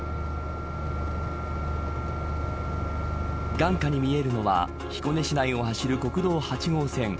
眼下に見えるのは彦根市内を走る国道８号線。